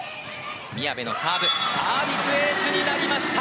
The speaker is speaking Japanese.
宮部のサーブはサービスエースになりました！